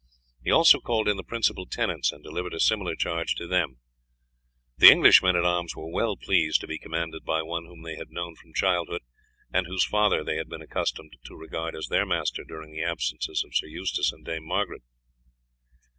He also called in the principal tenants and delivered a similar charge to them. The English men at arms were well pleased to be commanded by one whom they had known from childhood, and whose father they had been accustomed to regard as their master during the absences of Sir Eustace and Dame Margaret.